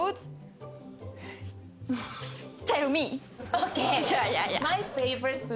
ＯＫ！